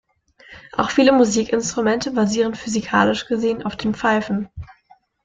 Auch viele Musikinstrumente basieren physikalisch gesehen auf dem Pfeifen.